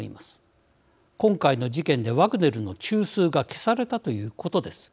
今回の事件でワグネルの中枢が消されたということです。